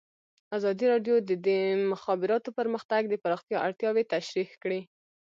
ازادي راډیو د د مخابراتو پرمختګ د پراختیا اړتیاوې تشریح کړي.